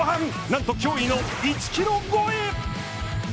なんと、驚異の１キロ超え！